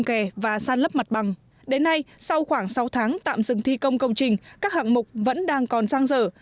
đến nay sau khoảng sáu tháng tạm dừng thi công công trình các hạng mục vẫn đang còn giang dở